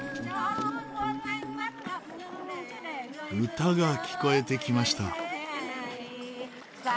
歌が聞こえてきました。